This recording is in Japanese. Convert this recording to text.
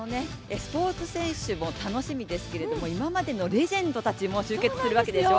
スポーツ選手も楽しみですけれども、今までのレジェンドたちも集結するわけでしょう。